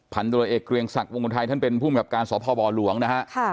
ภัณฑ์ตลอดเอกเกรียงศักดิ์วงศ์วงศ์ไทยท่านเป็นผู้มีกับการสอบภอบ่าหลวงนะฮะ